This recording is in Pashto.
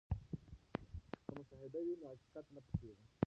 که مشاهده وي نو حقیقت نه پټیږي.